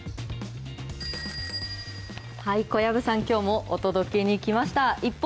小籔さん、きょうもお届けに来ました。